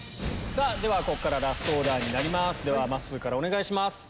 ここからラストオーダーになりますまっすーからお願いします。